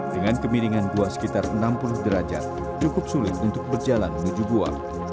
dengan kemiringan gua sekitar enam puluh derajat cukup sulit untuk berjalan menuju gua